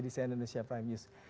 di cnn indonesia prime news